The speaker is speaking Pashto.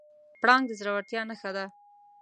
پړانګ د زړورتیا نښه ده.